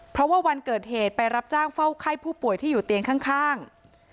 เพราะว่าวันเกิดเหตุไปรับจ้างเฝ้าไข้ผู้ป่วยที่อยู่เตียงข้าง